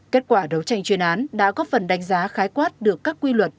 kết quả đấu tranh chuyên án đã có phần đánh giá khái quát được các quy luật